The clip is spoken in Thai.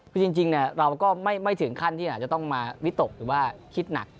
คือจริงเราก็ไม่ถึงขั้นที่อาจจะต้องมาวิตกหรือว่าคิดหนัก